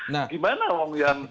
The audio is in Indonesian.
nah gimana om yang